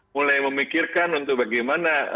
mulai memikirkan untuk bagaimana